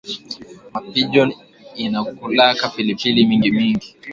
Ma pigeon inakulaka pilipili mingingi